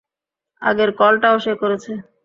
আগের কলটাও সে করেছে।